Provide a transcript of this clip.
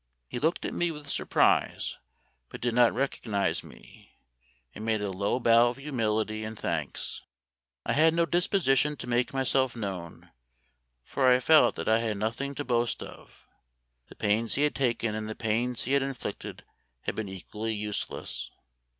He looked at me with surprise, but did not recog nize me, and made a low bow of humility and thanks. I had no disposition to make myself known, for I felt that I had nothing to boast of. The pains he had taken and the pains he had inflicted had been equally useless.